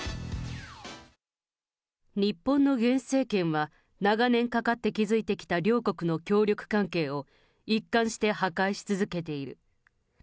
日本の現政権は、長年かかって築いてきた両国の協力関係を、一貫して破壊し続けている。